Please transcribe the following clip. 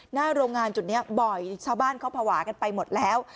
หน้าโรงงานจุดนี้บ่อยชาวบ้านเขาภาวะกันไปหมดแล้ว